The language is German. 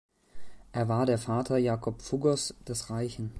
Er war der Vater Jakob Fuggers "des Reichen".